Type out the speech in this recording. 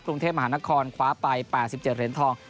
กรุงเทพมหานครขวาไปปรา๑๗เดนทอง